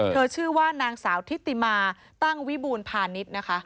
เธอชื่อว่านางสาวธิติมาตั้งวิบูลพาณิชย์